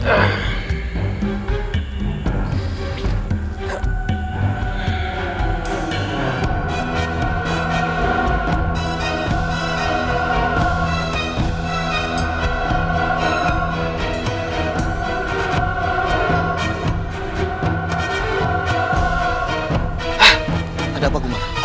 ada apa gumara